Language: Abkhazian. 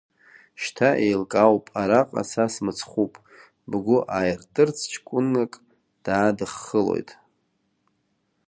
Шьҭа еилкаауп, араҟа са смыцхәуп, бгәы ааиртырц ҷкәынак даадыххылоит…